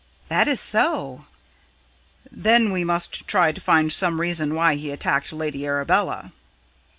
"That is so!" "Then we must try to find some reason why he attacked Lady Arabella."